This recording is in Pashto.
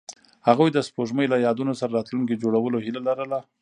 هغوی د سپوږمۍ له یادونو سره راتلونکی جوړولو هیله لرله.